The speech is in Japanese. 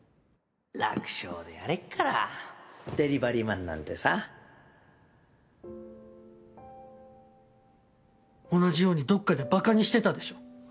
楽勝でやれっからでりばりマンなんてさ同じようにどっかでばかにしてたでしょ？